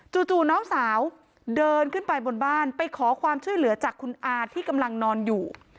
น้องสาวเดินขึ้นไปบนบ้านไปขอความช่วยเหลือจากคุณอาที่กำลังนอนอยู่